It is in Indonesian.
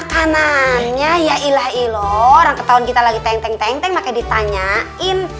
kenannya ya ilah ilor orang ketahuan kita lagi teng teng teng makanya ditanyain